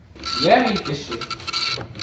hier ils pêchaient.